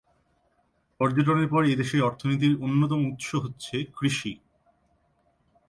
পর্যটনের পর এ দেশের অর্থনীতির অন্যতম উৎস হচ্ছে কৃষি।